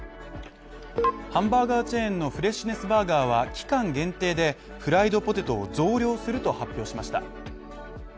ハンバーガーチェーンのフレッシュネスバーガーは期間限定でフライドポテトを増量すると発表しました。